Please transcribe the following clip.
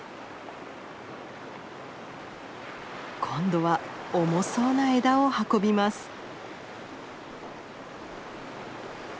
今度は重そうな枝を運びます。